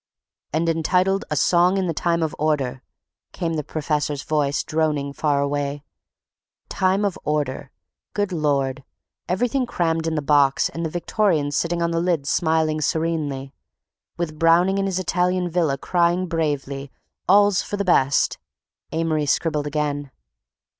"And entitled A Song in the Time of Order," came the professor's voice, droning far away. "Time of Order"—Good Lord! Everything crammed in the box and the Victorians sitting on the lid smiling serenely.... With Browning in his Italian villa crying bravely: "All's for the best." Amory scribbled again.